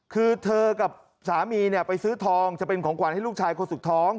คือเธอกับสามีไปซื้อทองจะเป็นของขวัญให้ลูกชายคนสุดท้อง